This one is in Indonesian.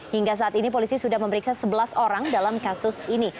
hingga saat ini polisi sudah memeriksa sebelas orang dalam kasus ini